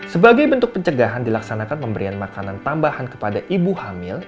sebagai bentuk pencegahan dilaksanakan pemberian makanan tambahan kepada ibu hamil